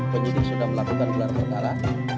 penyidik sudah melakukan gelar perkara